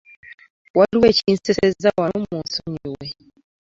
Waliwo ekinsesezza wano munsonyiwe.